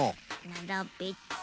ならべて。